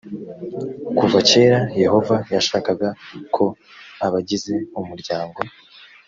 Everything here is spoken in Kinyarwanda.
kuva kera yehova yashakaga ko abagize umuryango